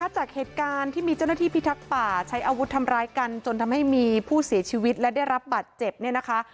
จากเหตุการณ์ที่มีเจ้าหน้าที่พิทักษ์ป่าใช้อาวุธทำร้ายกันจนทำให้มีผู้เสียชีวิตและได้รับบัตรเจ็บเนี่ยนะคะ